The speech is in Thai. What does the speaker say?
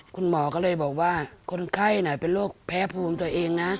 คุณหมอก็เลยบอกว่าคนไข้เป็นโรคแพ้ภูมิตัวเองนะ